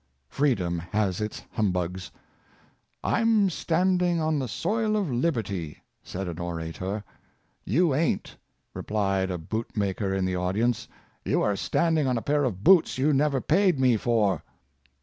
Freedom has its humbugs. " Pm stand ing on the soil of liberty," said an orator. '* You ain't," replied a boot maker in the audience. '' You are stand ing on a pair of boots you never paid me for."